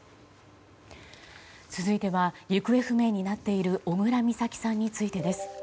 続いては行方不明になっている小倉美咲さんについてです。